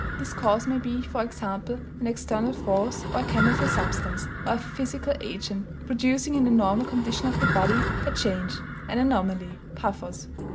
This cause may be, for example, an external force, or a chemical substance, or a physical agent, producing in the normal condition of the body a change, an anomaly pathos.